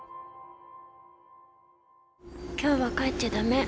今日は帰っちゃ駄目。